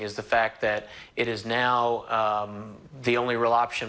และก็จะเป็นการร่วมกัน